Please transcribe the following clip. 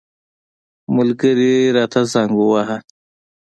ملګري راته زنګ وواهه.